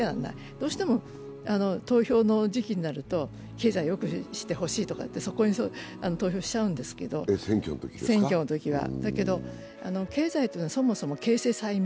どうしても投票の時期になると経済をよくしてほしいっていう、そこに投票しちゃうんですけどだけど、経済っていうのはそもそも経世済民。